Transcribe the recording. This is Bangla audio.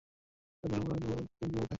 এটা তাদের অপরোধবোধে ভোগায়।